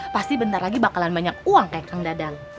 pasti bentar lagi bakalan banyak uang kayak kang dadal